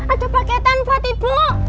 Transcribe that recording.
ada paketan pak ibu